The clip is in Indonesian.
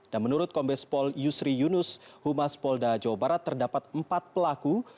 dan menurut kombes pauliusri yunus sumas polda jawa barat terdapat empat pelaku